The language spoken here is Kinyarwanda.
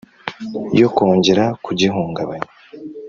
yo kwongera kugihungabanya